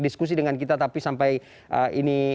diskusi dengan kita tapi sampai ini